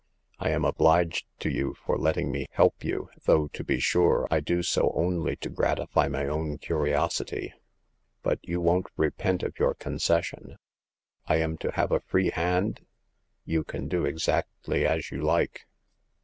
" I am obHged to you for letting me help you, though, to be sure, I do so only to gratify my own curiosity. But you won't repent of your concession. I am to have a free hand ?"You can do exactly as you like."